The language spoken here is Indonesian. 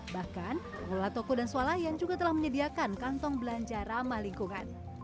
bahkan pengelola toko dan swalayan juga telah menyediakan kantong belanja ramah lingkungan